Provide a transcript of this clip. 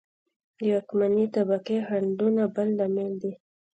د واکمنې طبقې خنډونه بل لامل دی